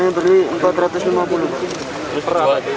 ini beri rp empat ratus lima puluh